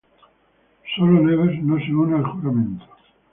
Solo Nevers no se une al juramento.